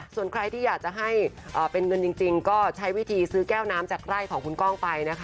ส่วนใครที่อยากจะให้เป็นเงินจริงก็ใช้วิธีซื้อแก้วน้ำจากไร่ของคุณก้องไปนะคะ